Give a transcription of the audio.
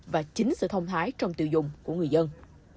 và chính sự thông hái trong tiêu dùng của người dân